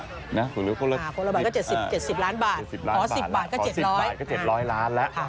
คนละบาทก็๗๐ล้านบาทอ๋อ๑๐บาทก็๗๐๐ล้านแล้ว